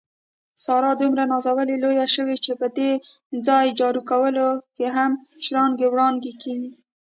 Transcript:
ساره دومره نازولې لویه شوې، چې په ځای جارو کولو هم شړانګې وړانګې کېږي.